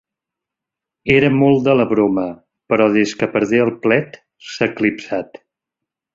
Era molt de la broma, però des que perdé el plet s'ha eclipsat.